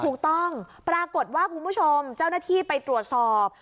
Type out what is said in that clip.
ถูกต้องปรากฏว่าคุณผู้ชมเจ้าหน้าที่ไปตรวจสอบ